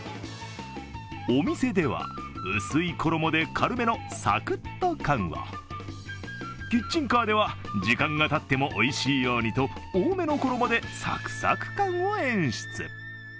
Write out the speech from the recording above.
お店では薄い衣で軽めのサクッと感を、キッチンカーでは、時間がたってもおいしいようにと多めの衣でサクサク感を演出。